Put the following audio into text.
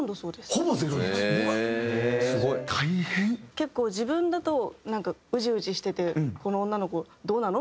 結構自分だとなんかウジウジしててこの女の子どうなの？